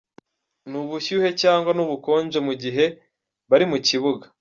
n’ubushyuhe cyangwa n’ubukonje mu gihe bari mu kibuga.